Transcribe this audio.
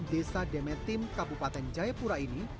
desa demetim kabupaten jayapura ini